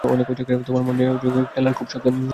তোমার মন নিয়ে খেলার খুব শখ, না পূজা?